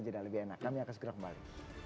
jeda lebih enak kami akan segera kembali